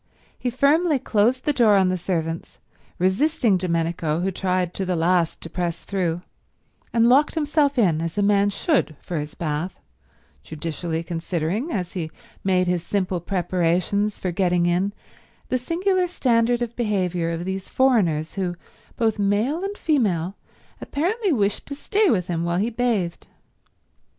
He firmly closed the door on the servants, resisting Domenico, who tried to the last to press through, and locked himself in as a man should for his bath, judicially considering, as he made his simple preparations for getting in, the singular standard of behaviour of these foreigners who, both male and female, apparently wished to stay with him while he bathed.